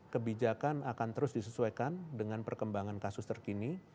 kebijakan akan terus disesuaikan dengan perkembangan kasus terkini